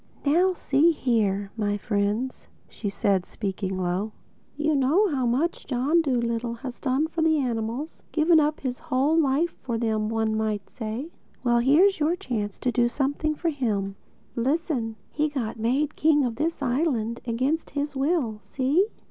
"Now see here, my friends," said she speaking low: "you know how much John Dolittle has done for the animals—given his whole life up to them, one might say. Well, here is your chance to do something for him. Listen: he got made king of this island against his will, see?